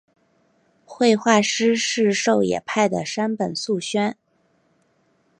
绘画师事狩野派的山本素轩。